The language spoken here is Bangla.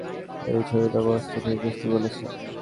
লোকটার ছবি ওখানে রেখে আমাকে এই ছবির বস্তা থেকে খুঁজতে বলছে।